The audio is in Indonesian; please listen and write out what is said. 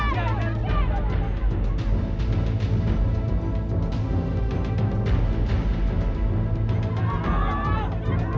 kita mau ke bawah